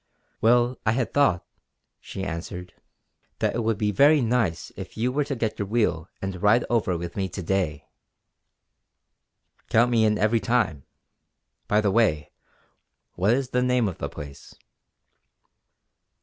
"Well, I had thought," she answered, "that it would be very nice if you were to get your wheel and ride over with me to day." "Count me in every time! By the way what is the name of the place?"